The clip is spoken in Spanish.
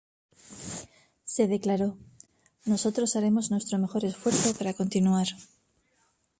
Se declaró, "Nosotros haremos nuestro mejor esfuerzo para continuar.